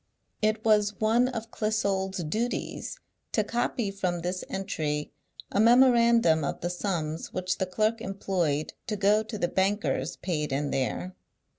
"It was one of Clissold's duties to copy from this entry a memorandum of the sums which the clerk employed to go to the bankers' paid in there.